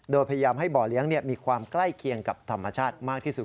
โดยพยายามให้บ่อเลี้ยงมีความใกล้เคียงกับธรรมชาติมากที่สุด